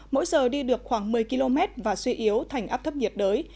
mỗi giờ đi được khoảng một mươi km và suy yếu thành áp thấp nhiệt đới